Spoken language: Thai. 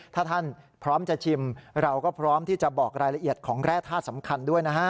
ถ้าท่านพร้อมจะชิมเราก็พร้อมที่จะบอกรายละเอียดของแร่ธาตุสำคัญด้วยนะฮะ